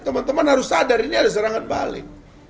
teman teman harus sadar ini ada serangan balik